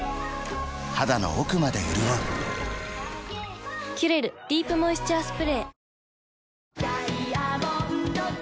肌の奥まで潤う「キュレルディープモイスチャースプレー」